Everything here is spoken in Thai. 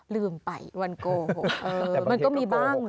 ลืมไปวันโกหกมันก็มีบ้าง